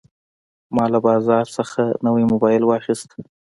ما له بازار نه نوی موبایل واخیست.